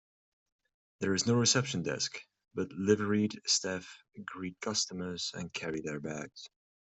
There is no reception desk, but liveried staff greet customers and carry their bags.